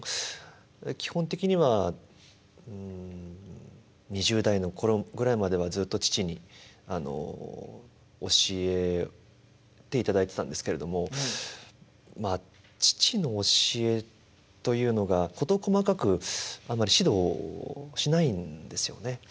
基本的にはうん２０代の頃ぐらいまではずっと父に教えていただいてたんですけれどもまあ父の教えというのが事細かくあんまり指導しないんですよね。